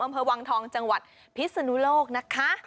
อำเภอวังทองจังหวัดพิศนุโลกนะคะ